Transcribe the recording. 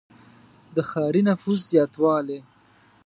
• د ښاري نفوس زیاتوالی.